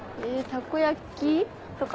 たこ焼き？とか。